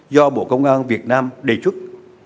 do bộ công an việt nam đề xuất